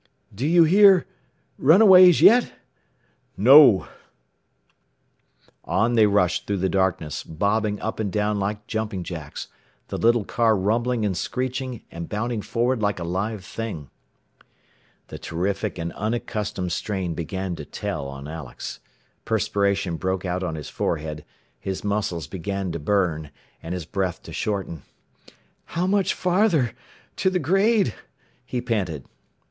"Do you hear ... runaways yet?" "No." [Illustration: THEY WHIRLED BY, AND THE REST WAS LOST.] On they rushed through the darkness, bobbing up and down like jumping jacks, the little car rumbling and screeching, and bounding forward like a live thing. The terrific and unaccustomed strain began to tell on Alex. Perspiration broke out on his forehead, his muscles began to burn, and his breath to shorten. "How much farther ... to the grade?" he panted.